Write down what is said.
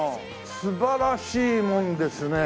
素晴らしいもんですね。